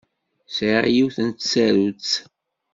Sɛiɣ yiwet n tsarut.